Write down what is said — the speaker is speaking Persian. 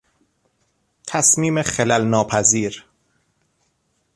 تصمیم خلل ناپذیر